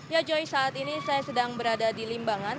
ya joy saat ini saya sedang berada di limbangan